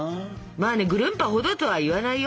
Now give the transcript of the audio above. まあねぐるんぱほどとは言わないよ。